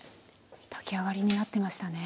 炊き上がりになってましたね。